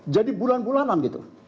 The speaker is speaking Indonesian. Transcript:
jadi bulanan bulanan gitu